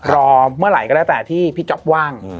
รอเมื่อไหร่ก็แล้วแต่ที่พี่จ๊อปว่าง